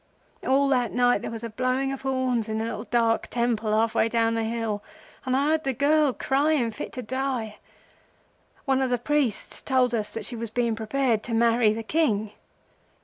All that night there was a blowing of horns in a little dark temple half way down the hill, and I heard a girl crying fit to die. One of the priests told us that she was being prepared to marry the King.